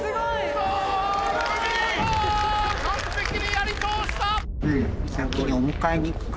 完璧にやりとおした！